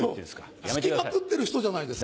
つきまくってる人じゃないですか。